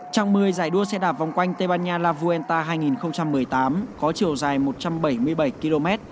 trạng một mươi giải đua xe đạp vòng quanh tây ban nha la vuenta hai nghìn một mươi tám có chiều dài một trăm bảy mươi bảy km